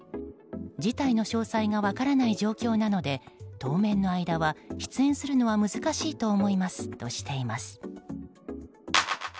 事態の詳細が分からない状況なので当面の間は出演するのは難しいと思いますとしています。